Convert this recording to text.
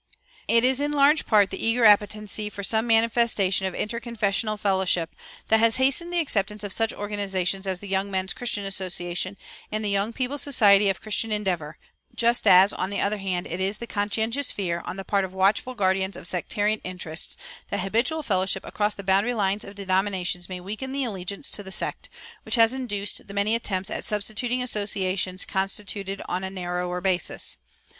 It is in large part the eager appetency for some manifestation of interconfessional fellowship that has hastened the acceptance of such organizations as the Young Men's Christian Association and the Young People's Society of Christian Endeavor; just as, on the other hand, it is the conscientious fear, on the part of watchful guardians of sectarian interests, that habitual fellowship across the boundary lines of denominations may weaken the allegiance to the sect, which has induced the many attempts at substituting associations constituted on a narrower basis.